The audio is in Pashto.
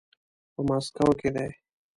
په ماسکو کې دی.